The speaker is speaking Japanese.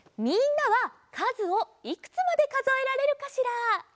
みんなはかずをいくつまでかぞえられるかしら？